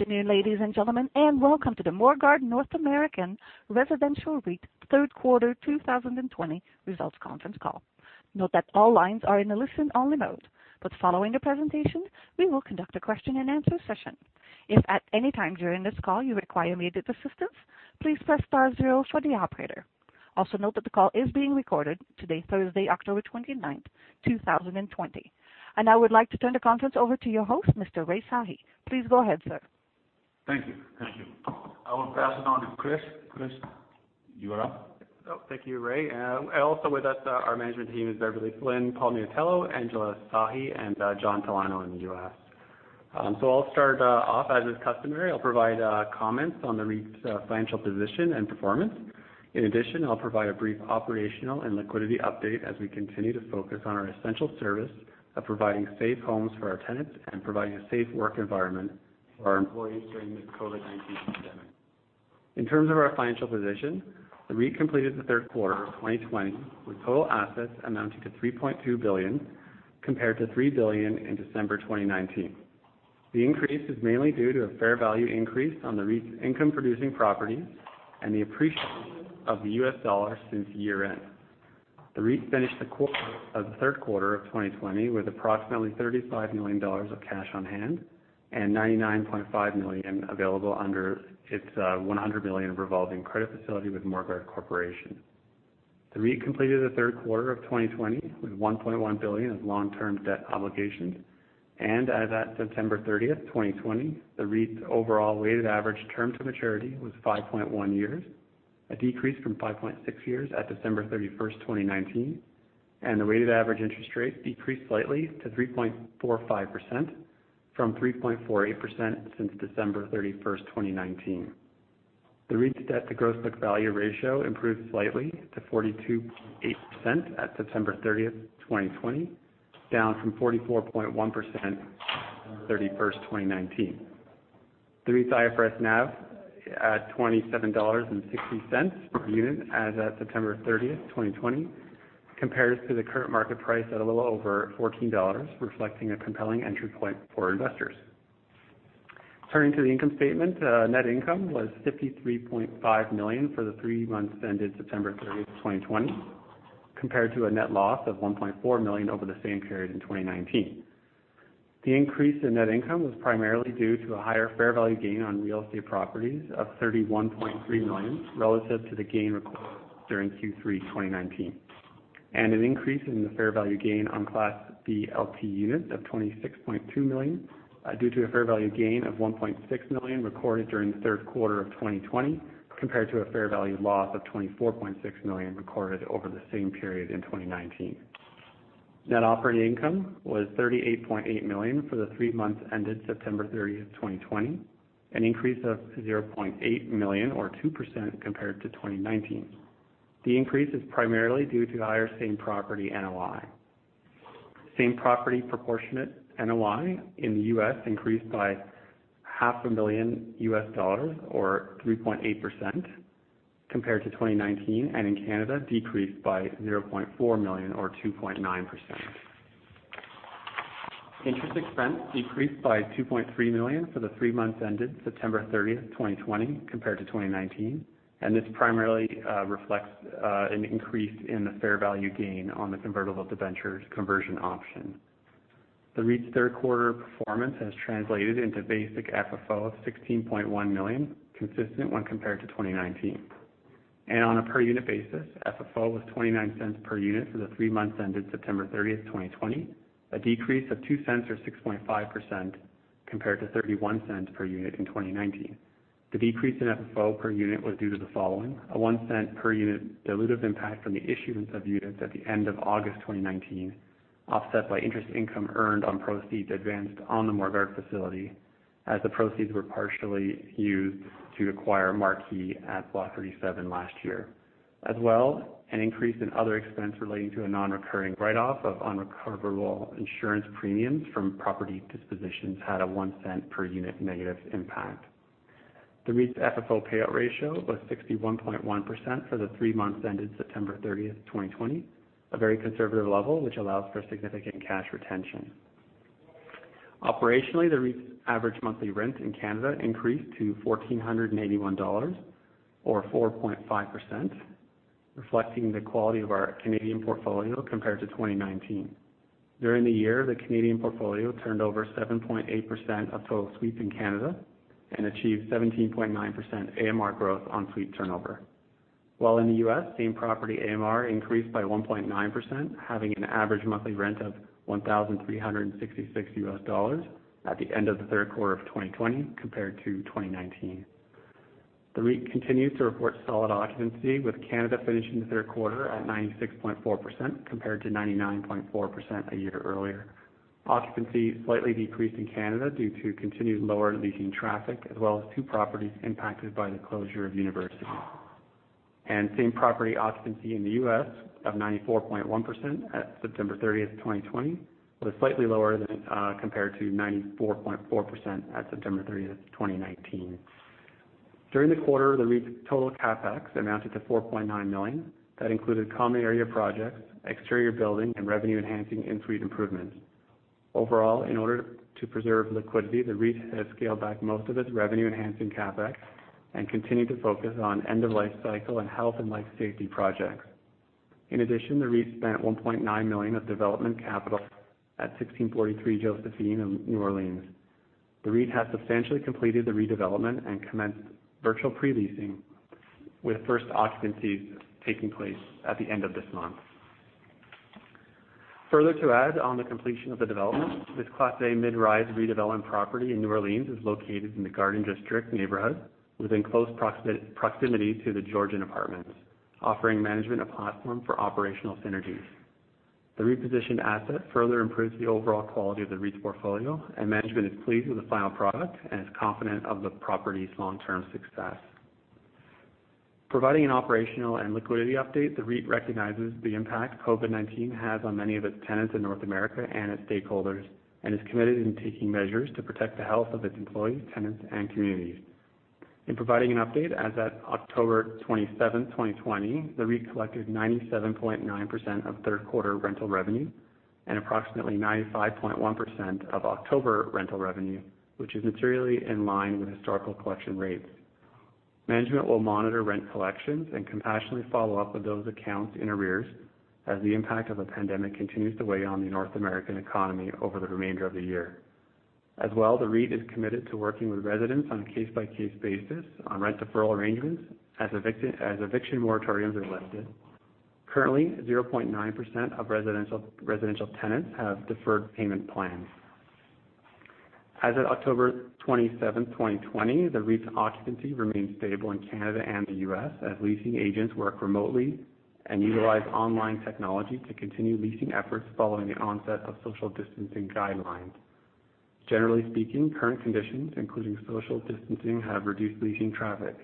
Good afternoon, ladies and gentlemen, and welcome to the Morguard North American Residential REIT third quarter 2020 results conference call. Note that all lines are in a listen-only mode, but following the presentation, we will conduct a question and answer session. If at any time during this call you require immediate assistance, please press star zero for the operator. Also, note that the call is being recorded today, Thursday, October 29, 2020. I would like to turn the conference over to your host, Mr. Rai Sahi. Please go ahead, sir. Thank you. I will pass it on to Chris. Chris, you are up. Thank you, Rai. Also with us, our management team is Beverley Flynn, Paul Miatello, Angela Sahi, and John Talano in the U.S. I'll start off. As is customary, I'll provide comments on the REIT's financial position and performance. In addition, I'll provide a brief operational and liquidity update as we continue to focus on our essential service of providing safe homes for our tenants and providing a safe work environment for our employees during this COVID-19 pandemic. In terms of our financial position, the REIT completed the third quarter of 2020 with total assets amounting to 3.2 billion, compared to 3 billion in December 2019. The increase is mainly due to a fair value increase on the REIT's income-producing property and the appreciation of the U.S. dollar since year-end. The REIT finished the third quarter of 2020 with approximately 35 million dollars of cash on hand and 99.5 million available under its 100 million revolving credit facility with Morguard Corporation. The REIT completed the third quarter of 2020 with 1.1 billion of long-term debt obligations, and as at September 30th, 2020, the REIT's overall weighted average term to maturity was 5.1 years, a decrease from 5.6 years at December 31st, 2019, and the weighted average interest rate decreased slightly to 3.45% from 3.48% since December 31st, 2019. The REIT's debt to gross book value ratio improved slightly to 42.8% at September 30th, 2020, down from 44.1% on 31st, 2019. The REIT's IFRS NAV at 27.60 dollars per unit as at September 30th, 2020, compares to the current market price at a little over 14 dollars, reflecting a compelling entry point for investors. Turning to the income statement, net income was 53.5 million for the three months ended September 30, 2020, compared to a net loss of 1.4 million over the same period in 2019. The increase in net income was primarily due to a higher fair value gain on real estate properties of 31.3 million relative to the gain recorded during Q3 2019, and an increase in the fair value gain on Class B LP units of 26.2 million due to a fair value gain of 1.6 million recorded during the third quarter of 2020 compared to a fair value loss of 24.6 million recorded over the same period in 2019. Net operating income was 38.8 million for the three months ended September 30, 2020, an increase of 0.8 million or 2% compared to 2019. The increase is primarily due to higher same property NOI. Same property proportionate NOI in the U.S. increased by $500,000 or 3.8% compared to 2019. In Canada decreased by 0.4 million or 2.9%. Interest expense decreased by 2.3 million for the three months ended September 30th, 2020, compared to 2019. This primarily reflects an increase in the fair value gain on the convertible debentures conversion option. The REIT's third quarter performance has translated into basic FFO of 16.1 million, consistent when compared to 2019. On a per unit basis, FFO was 0.29 per unit for the three months ended September 30th, 2020, a decrease of 0.02 or 6.5% compared to 0.31 per unit in 2019. The decrease in FFO per unit was due to the following. A 0.01 per unit dilutive impact from the issuance of units at the end of August 2019, offset by interest income earned on proceeds advanced on the Morguard facility as the proceeds were partially used to acquire Marquee at Block 37 last year. An increase in other expense relating to a non-recurring write-off of unrecoverable insurance premiums from property dispositions had a 0.01 per unit negative impact. The REIT's FFO payout ratio was 61.1% for the three months ended September 30th, 2020, a very conservative level, which allows for significant cash retention. Operationally, the REIT's average monthly rent in Canada increased to 1,481 dollars, or 4.5%, reflecting the quality of our Canadian portfolio compared to 2019. During the year, the Canadian portfolio turned over 7.8% of total suites in Canada and achieved 17.9% AMR growth on suite turnover. While in the U.S., same property AMR increased by 1.9%, having an average monthly rent of $1,366 at the end of the third quarter of 2020 compared to 2019. The REIT continues to report solid occupancy, with Canada finishing the third quarter at 96.4% compared to 99.4% a year earlier. Occupancy slightly decreased in Canada due to continued lower leasing traffic as well as two properties impacted by the closure of universities. Same property occupancy in the U.S. of 94.1% at September 30th, 2020, was slightly lower than compared to 94.4% at September 30th, 2019. During the quarter, the REIT's total CapEx amounted to 4.9 million. That included common area projects, exterior building, and revenue-enhancing in-suite improvements. Overall, in order to preserve liquidity, the REIT has scaled back most of its revenue-enhancing CapEx and continued to focus on end-of-life cycle and health and life safety projects. In addition, the REIT spent 1.9 million of development capital at 1643 Josephine in New Orleans. The REIT has substantially completed the redevelopment and commenced virtual pre-leasing, with first occupancies taking place at the end of this month. Further to add on the completion of the development, this Class A mid-rise redevelopment property in New Orleans is located in the Garden District neighborhood within close proximity to the Georgian Apartments, offering management a platform for operational synergies. The repositioned asset further improves the overall quality of the REIT's portfolio, and management is pleased with the final product and is confident of the property's long-term success. Providing an operational and liquidity update, the REIT recognizes the impact COVID-19 has on many of its tenants in North America and its stakeholders, and is committed in taking measures to protect the health of its employees, tenants, and communities. In providing an update, as at October 27th, 2020, the REIT collected 97.9% of third quarter rental revenue and approximately 95.1% of October rental revenue, which is materially in line with historical collection rates. Management will monitor rent collections and compassionately follow up with those accounts in arrears as the impact of the pandemic continues to weigh on the North American economy over the remainder of the year. The REIT is committed to working with residents on a case-by-case basis on rent deferral arrangements as eviction moratoriums are lifted. Currently, 0.9% of residential tenants have deferred payment plans. As of October 27th, 2020, the REIT's occupancy remains stable in Canada and the U.S. as leasing agents work remotely and utilize online technology to continue leasing efforts following the onset of social distancing guidelines. Generally speaking, current conditions, including social distancing, have reduced leasing traffic.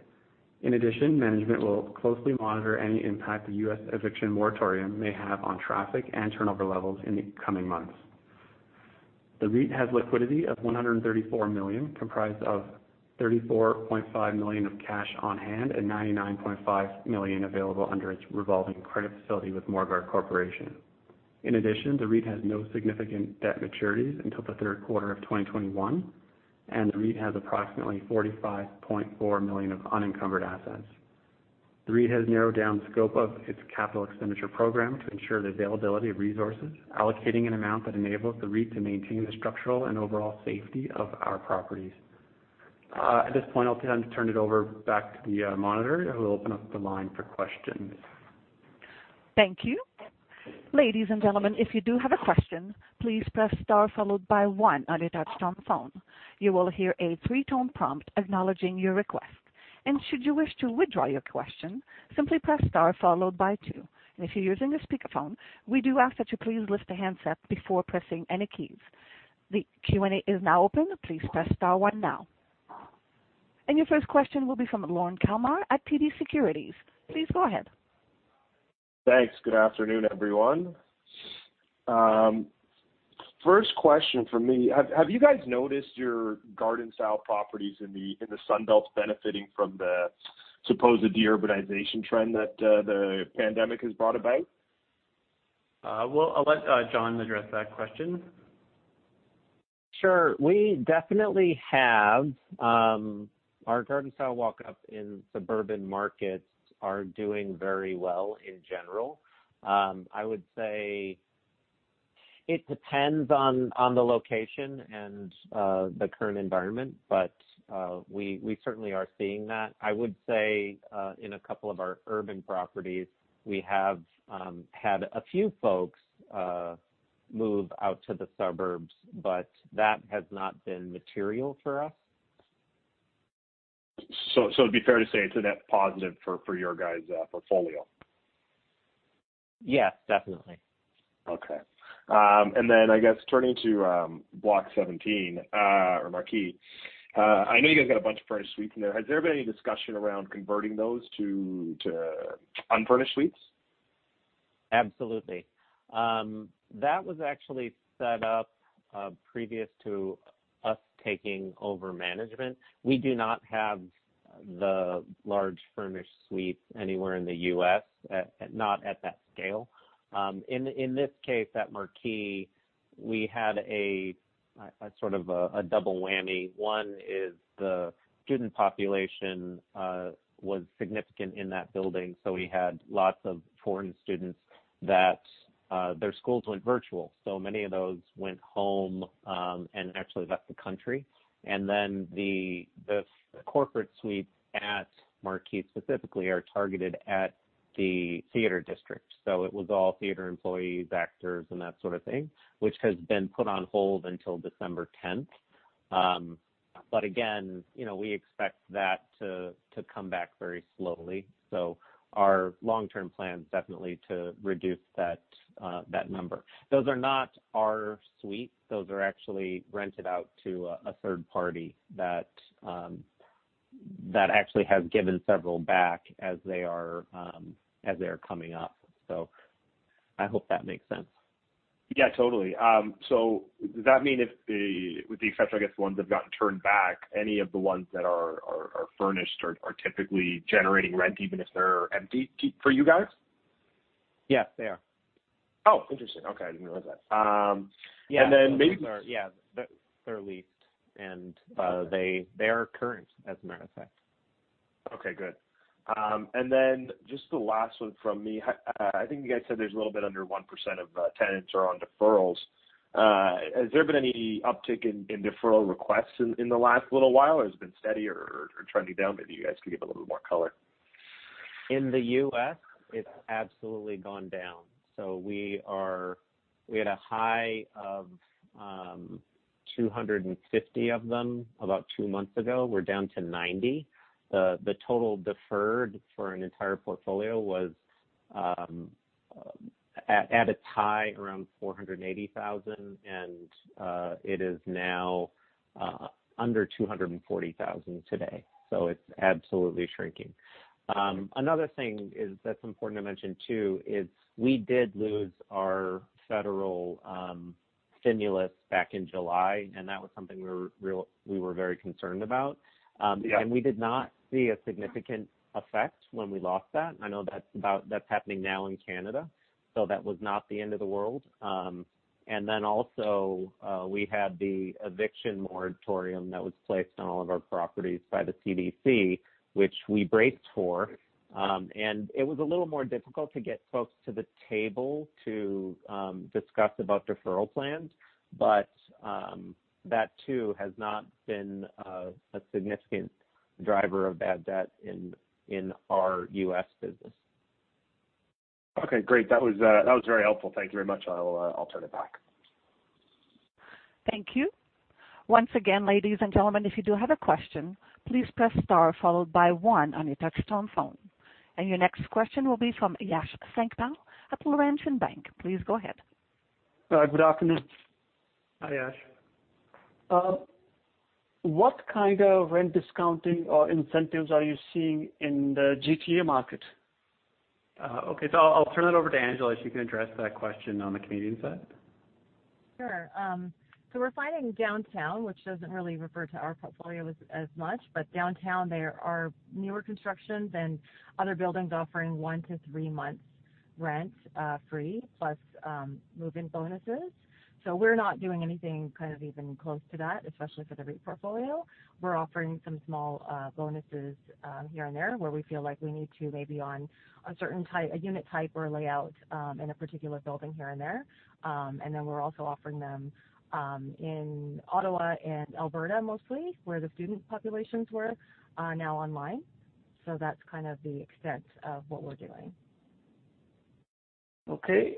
In addition, management will closely monitor any impact the U.S. eviction moratorium may have on traffic and turnover levels in the coming months. The REIT has liquidity of 134 million, comprised of 34.5 million of cash on hand and 99.5 million available under its revolving credit facility with Morguard Corporation. In addition, the REIT has no significant debt maturities until the third quarter of 2021, and the REIT has approximately 45.4 million of unencumbered assets. The REIT has narrowed down the scope of its capital expenditure program to ensure the availability of resources, allocating an amount that enables the REIT to maintain the structural and overall safety of our properties. At this point, I'll turn it over back to the monitor, who will open up the line for questions. Thank you. Ladies and gentlemen, if you do have a question, please press star followed by one on your touchtone phone. You will hear a three-tone prompt acknowledging your request. And should you wish to withdraw your question, simply press star followed by two. And if you're using a speakerphone, we do ask that you please lift the handset before pressing any keys. The Q&A is now open. Please press star one now. And your first question will be from Lorne Kalmar at TD Securities. Please go ahead. Thanks. Good afternoon, everyone. First question from me, have you guys noticed your garden-style properties in the Sun Belt benefiting from the supposed deurbanization trend that the pandemic has brought about? I'll let John address that question. Sure. We definitely have. Our garden-style walk-up in suburban markets are doing very well in general. I would say it depends on the location and the current environment, but we certainly are seeing that. I would say in a couple of our urban properties, we have had a few folks move out to the suburbs, but that has not been material for us. It'd be fair to say it's a net positive for your guys' portfolio. Yes, definitely. Okay. I guess turning to Block 37, or Marquee. I know you guys got a bunch of furnished suites in there. Has there been any discussion around converting those to unfurnished suites? Absolutely. That was actually set up previous to us taking over management. We do not have the large furnished suites anywhere in the U.S., not at that scale. In this case, at Marquee, we had a sort of a double whammy. One is the student population was significant in that building, so we had lots of foreign students that their schools went virtual. Many of those went home and actually left the country. The corporate suites at Marquee specifically are targeted at the Theater District. It was all theater employees, actors, and that sort of thing, which has been put on hold until December 10th. Again, we expect that to come back very slowly. Our long-term plan is definitely to reduce that number. Those are not our suites. Those are actually rented out to a third party that actually has given several back as they are coming up. I hope that makes sense. Yeah, totally. Does that mean with the exception, I guess, the ones that have gotten turned back, any of the ones that are furnished are typically generating rent even if they're empty for you guys? Yes, they are. Oh, interesting. Okay. I didn't realize that. Yeah. And then maybe- Yeah. They're leased and they are current, as a matter of fact. Okay, good. Just the last one from me. I think you guys said there's a little bit under 1% of tenants are on deferrals. Has there been any uptick in deferral requests in the last little while, or has it been steady or trending down? Maybe you guys could give a little bit more color. In the U.S., it's absolutely gone down. We had a high of 250 of them about two months ago. We're down to 90. The total deferred for an entire portfolio was at a high around 480,000, and it is now under 240,000 today. It's absolutely shrinking. Another thing that's important to mention, too, is we did lose our federal stimulus back in July, and that was something we were very concerned about. Yeah. We did not see a significant effect when we lost that. I know that's happening now in Canada. That was not the end of the world. We had the eviction moratorium that was placed on all of our properties by the CDC, which we braced for. It was a little more difficult to get folks to the table to discuss about deferral plans. That too, has not been a significant driver of bad debt in our U.S. business. Okay, great. That was very helpful. Thank you very much. I'll turn it back. Thank you. Once again, ladies and gentlemen, if you do have a question, please press star followed by one on your touch-tone phone. Your next question will be from Yash Sankpal at Laurentian Bank. Please go ahead. Good afternoon. Hi, Yash. What kind of rent discounting or incentives are you seeing in the GTA market? Okay. I'll turn that over to Angela. She can address that question on the Canadian side. Sure. We're finding downtown, which doesn't really refer to our portfolio as much, but downtown, there are newer constructions and other buildings offering one to three months rent free, plus move-in bonuses. We're not doing anything kind of even close to that, especially for the REIT portfolio. We're offering some small bonuses here and there where we feel like we need to maybe on a certain unit type or layout in a particular building here and there. We're also offering them in Ottawa and Alberta mostly, where the student populations were are now online. That's kind of the extent of what we're doing. Okay.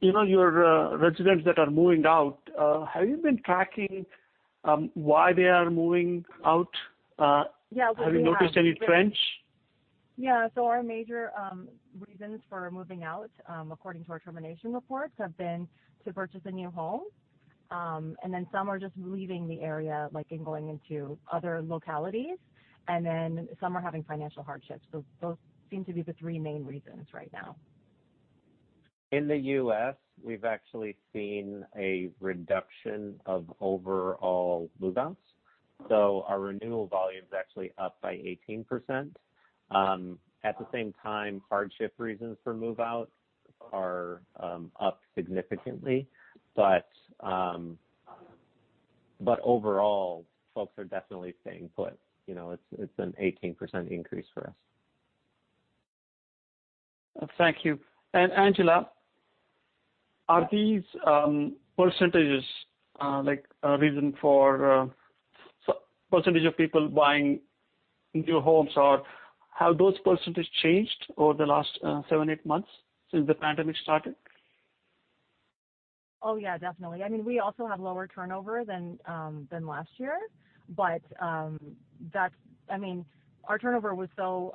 Your residents that are moving out, have you been tracking why they are moving out? Yeah. We have. Have you noticed any trends? Yeah. Our major reasons for moving out, according to our termination reports, have been to purchase a new home. Some are just leaving the area, like in going into other localities, and then some are having financial hardships. Those seem to be the three main reasons right now. In the U.S., we've actually seen a reduction of overall move-outs. Our renewal volume is actually up by 18%. At the same time, hardship reasons for move-outs are up significantly. Overall, folks are definitely staying put. It's an 18% increase for us. Thank you. Angela, are these percentages, like a reason for % of people buying new homes, or have those percentages changed over the last seven, eight months since the pandemic started? Yeah, definitely. We also have lower turnover than last year, but our turnover was so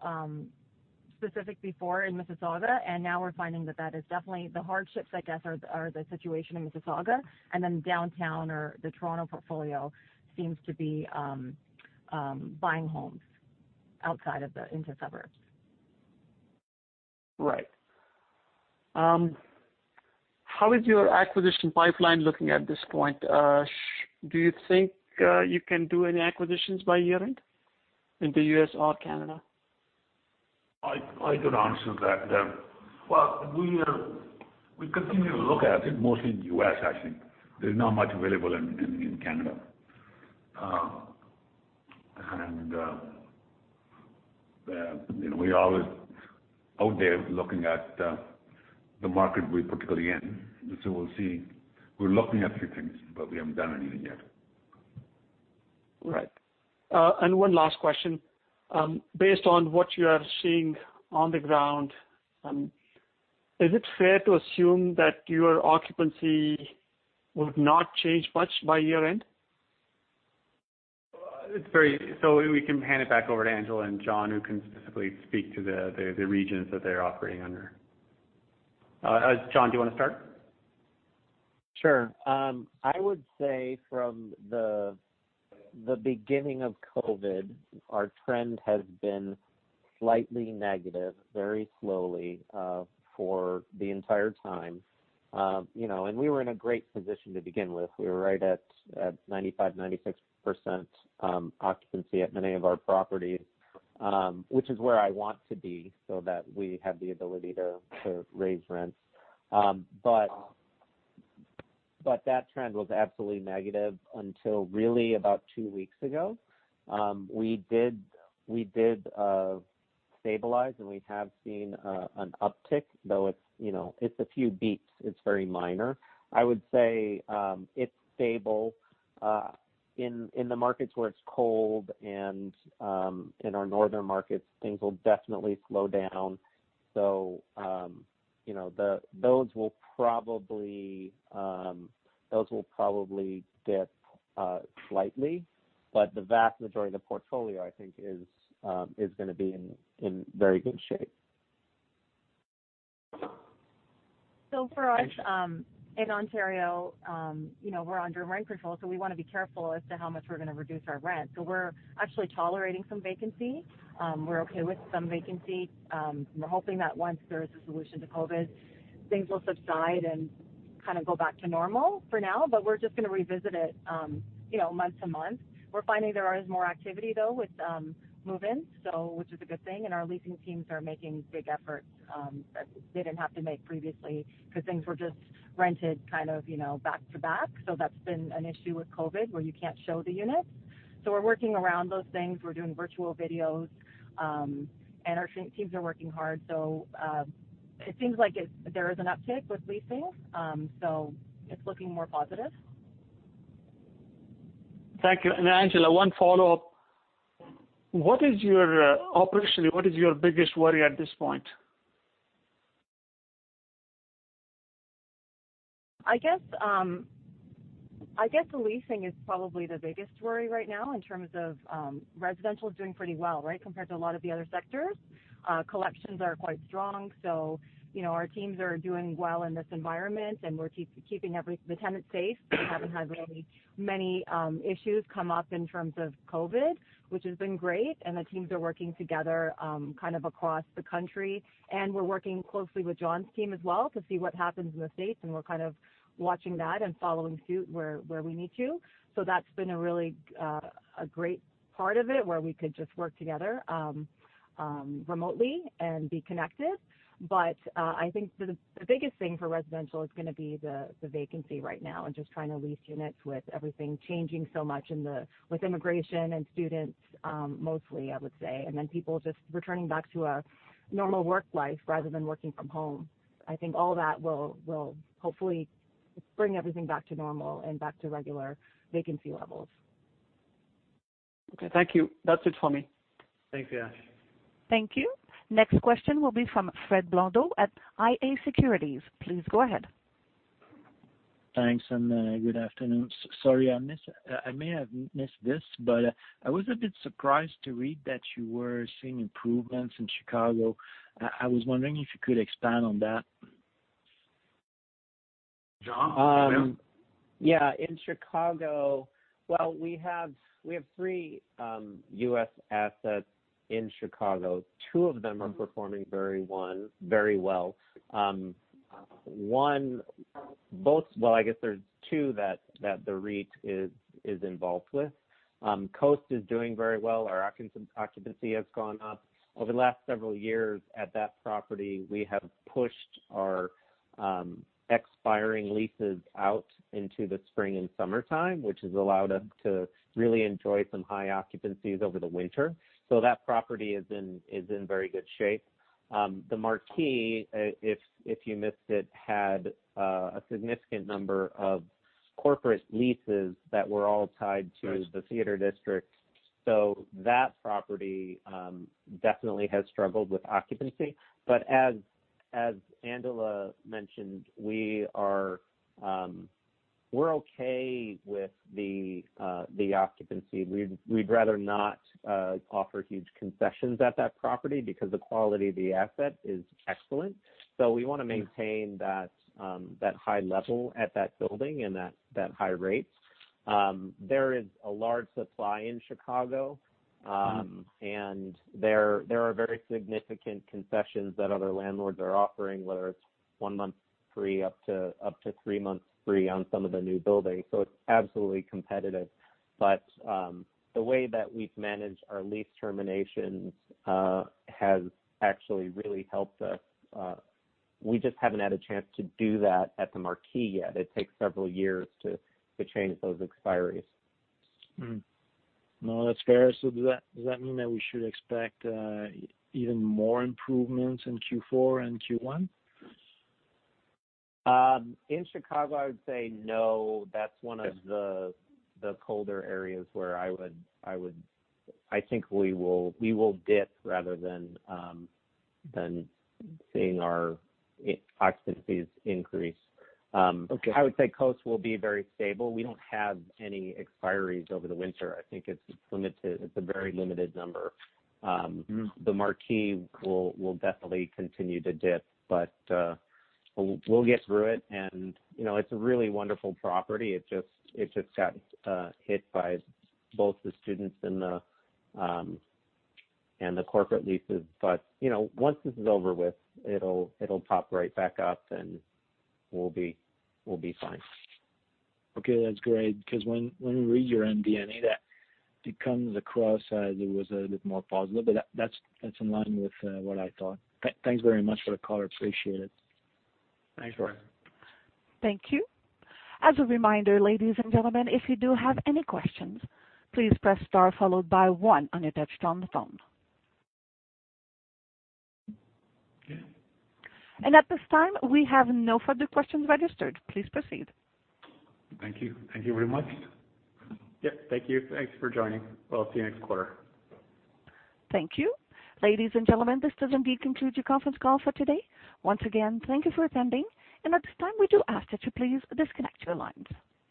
specific before in Mississauga, and now we're finding that is definitely the hardships, I guess, are the situation in Mississauga. Downtown or the Toronto portfolio seems to be buying homes outside of the inner suburbs. Right. How is your acquisition pipeline looking at this point? Do you think you can do any acquisitions by year-end in the U.S. or Canada? I could answer that. Well, we continue to look at it mostly in the U.S., I think. There's not much available in Canada. We are always out there looking at the market we particularly in. We'll see. We're looking at a few things, but we haven't done anything yet. Right. One last question. Based on what you are seeing on the ground, is it fair to assume that your occupancy would not change much by year-end? We can hand it back over to Angela and John, who can specifically speak to the regions that they're operating under. John, do you want to start? Sure. I would say from the beginning of COVID, our trend has been slightly negative, very slowly, for the entire time. We were in a great position to begin with. We were right at 95%-96% occupancy at many of our properties, which is where I want to be so that we have the ability to raise rents. That trend was absolutely negative until really about two weeks ago. We did stabilize, and we have seen an uptick, though it's a few bps. It's very minor. I would say it's stable. In the markets where it's cold and in our northern markets, things will definitely slow down. Those will probably dip slightly. The vast majority of the portfolio, I think, is going to be in very good shape. For us in Ontario, we're under rent control, so we want to be careful as to how much we're going to reduce our rent. We're actually tolerating some vacancy. We're okay with some vacancy. We're hoping that once there is a solution to COVID, things will subside and kind of go back to normal for now. We're just going to revisit it month to month. We're finding there is more activity though with move-ins, which is a good thing, and our leasing teams are making big efforts that they didn't have to make previously because things were just rented kind of back to back. That's been an issue with COVID, where you can't show the units. We're working around those things. We're doing virtual videos, and our teams are working hard. It seems like there is an uptick with leasing. It's looking more positive. Thank you. Angela, one follow-up. Operationally, what is your biggest worry at this point? I guess the leasing is probably the biggest worry right now in terms of residential is doing pretty well, right? Compared to a lot of the other sectors. Collections are quite strong. Our teams are doing well in this environment, and we're keeping the tenants safe. We haven't had really many issues come up in terms of COVID-19, which has been great. The teams are working together kind of across the country. We're working closely with John's team as well to see what happens in the States, and we're kind of watching that and following suit where we need to. That's been a really great part of it, where we could just work together remotely and be connected. I think the biggest thing for residential is going to be the vacancy right now and just trying to lease units with everything changing so much with immigration and students, mostly, I would say. People just returning back to a normal work life rather than working from home. I think all that will hopefully bring everything back to normal and back to regular vacancy levels. Okay. Thank you. That's it for me. Thanks, Yash. Thank you. Next question will be from Fred Blondeau at iA Securities. Please go ahead. Thanks. Good afternoon. Sorry, I may have missed this. I was a bit surprised to read that you were seeing improvements in Chicago. I was wondering if you could expand on that. John, do you want to. In Chicago, we have three U.S. assets in Chicago. Two of them are performing very well. I guess there's two that the REIT is involved with. Coast is doing very well. Our occupancy has gone up. Over the last several years at that property, we have pushed our expiring leases out into the spring and summertime, which has allowed us to really enjoy some high occupancies over the winter. That property is in very good shape. The Marquee, if you missed it, had a significant number of corporate leases that were all tied to the theater district. That property definitely has struggled with occupancy. As Angela mentioned, we're okay with the occupancy. We'd rather not offer huge concessions at that property because the quality of the asset is excellent. We want to maintain that high level at that building and that high rate. There is a large supply in Chicago, and there are very significant concessions that other landlords are offering, whether it's one month free up to three months free on some of the new buildings. It's absolutely competitive. The way that we've managed our lease terminations has actually really helped us. We just haven't had a chance to do that at the Marquee yet. It takes several years to change those expiries. No, that's fair. Does that mean that we should expect even more improvements in Q4 and Q1? In Chicago, I would say no. That's one of the colder areas where I think we will dip rather than seeing our occupancies increase. Okay. I would say Coast will be very stable. We don't have any expiries over the winter. I think it's a very limited number. The Marquee will definitely continue to dip, but we'll get through it. It's a really wonderful property. It just got hit by both the students and the corporate leases. Once this is over with, it'll pop right back up, and we'll be fine. That's great because when you read your MD&A, that it comes across as it was a bit more positive, but that's in line with what I thought. Thanks very much for the call. I appreciate it. Thanks, Fred. Thank you. As a reminder, ladies and gentlemen, if you do have any questions, please press star followed by one on your touchtone phone. Okay. At this time, we have no further questions registered. Please proceed. Thank you. Thank you very much. Yep. Thank you. Thanks for joining. We will see you next quarter. Thank you. Ladies and gentlemen, this does indeed conclude your conference call for today. Once again, thank you for attending. At this time, we do ask that you please disconnect your lines.